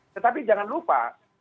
tetapi jangan lupa